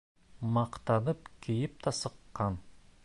Маҡтанып кейеп тә сыҡҡан.